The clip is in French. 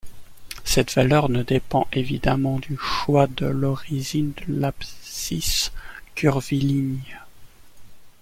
Cette valeur ne dépend évidemment du choix de l'origine de l'abscisse curviligne.